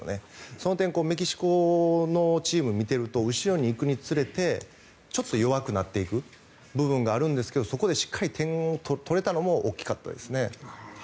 その点、メキシコのチームを見ていると後ろに行くにつれてちょっと弱くなっていく部分があるんですがそこでしっかり点を取れたのも大きかったですね。